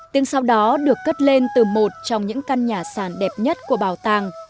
tiếng sau đó được cất lên từ một trong những căn nhà sàn đẹp nhất của bảo tàng